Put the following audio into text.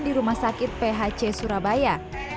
di rumah sakit phc surabaya